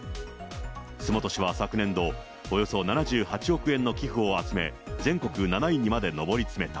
洲本市は昨年度、およそ７８億円の寄付を集め、全国７位にまで上り詰めた。